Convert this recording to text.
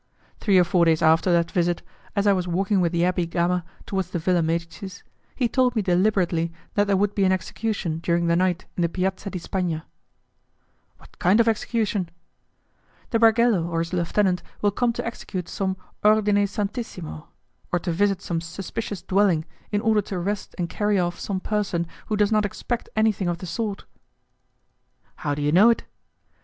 Three or four days after that visit, as I was walking with the Abbé Gama towards the Villa Medicis, he told me deliberately that there would be an execution during the night in the Piazza di Spagna. "What kind of execution?" "The bargello or his lieutenant will come to execute some 'ordine santissimo', or to visit some suspicious dwelling in order to arrest and carry off some person who does not expect anything of the sort." "How do you know it?"